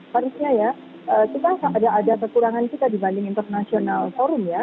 sebenarnya seharusnya ya kita ada kekurangan kita dibandingkan dengan international forum ya